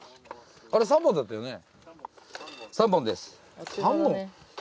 ３本だったよね？